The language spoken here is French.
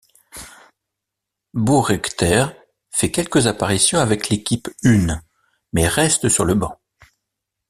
Boerrigter fait quelques apparitions avec l'équipe une, mais reste sur le banc.